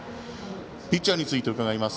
ピッチャーについて伺います。